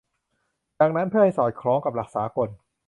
ดังนั้น เพื่อให้สอดคล้องกับหลักสากล